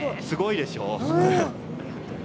すごいでしょう？